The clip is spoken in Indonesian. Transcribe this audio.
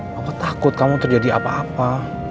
bapak takut kamu terjadi apa apa